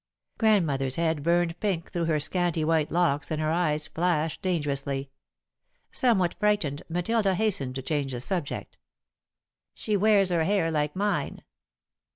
Grandmother's head burned pink through her scanty white locks and her eyes flashed dangerously. Somewhat frightened, Matilda hastened to change the subject. "She wears her hair like mine."